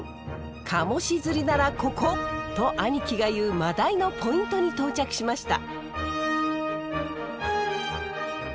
「カモシ釣りならここ」と兄貴が言うマダイのポイントに到着しました。